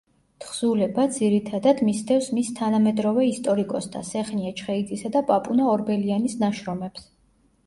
თხზულება, ძირითადად, მისდევს მის თანამედროვე ისტორიკოსთა, სეხნია ჩხეიძისა და პაპუნა ორბელიანის ნაშრომებს.